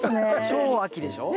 超秋でしょ？